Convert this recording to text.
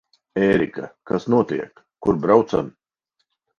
Ērika, kas notiek? Kur braucam?